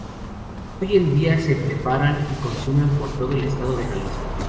Hoy en día se preparan y consumen por todo el estado de Jalisco.